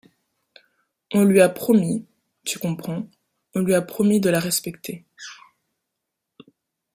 On lui a promis, tu comprends, on lui a promis de la respecter.